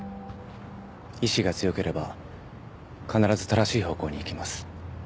意志が強ければ必ず正しい方向に行きます